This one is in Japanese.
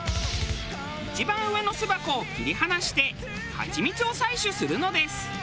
一番上の巣箱を切り離してハチミツを採取するのです。